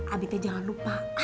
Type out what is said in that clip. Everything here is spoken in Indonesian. abit teh jangan lupa